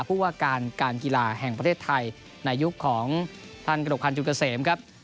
ผู้ว่าการการกีฬาแห่งประเทศไทยในยุคของท่านกระหกพันธุเกษมครับ